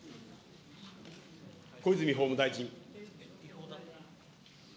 小泉法務大臣。